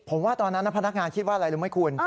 ผมว่าตอนนั้นพนักงานคิดว่าอะไรรู้ไหมคุณ